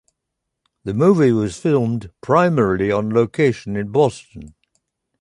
The movie was filmed primarily on location in Boston.